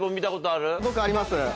僕あります